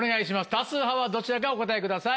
多数派はどちらかお答えください。